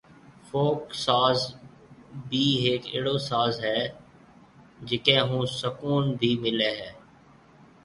فوڪ ساز بِي هيڪ اهڙو ساز هي جڪي هون سُڪون بي ملي هي